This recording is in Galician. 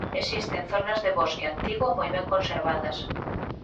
Existen zonas de bosque antigo moi ben conservadas.